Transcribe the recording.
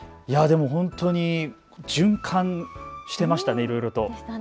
循環してましたね、いろいろと。